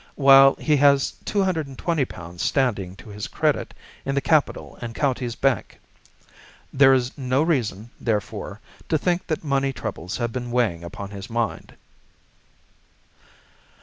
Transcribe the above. while he has £ 220 standing to his credit in the Capital and Counties Bank. There is no reason, therefore, to think that money troubles have been weighing upon his mind.